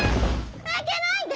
開けないで！